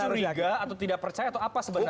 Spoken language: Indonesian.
curiga atau tidak percaya atau apa sebenarnya